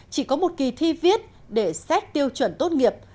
chỉ có một kỳ thi viết để xét tiêu chuẩn tốt nghiệp